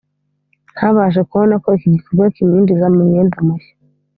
ntabashe kubona ko iki gikorwa kimwinjiza mu mwenda mushya